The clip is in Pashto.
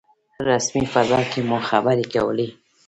رسمي فضا کې مو خبرې کولې.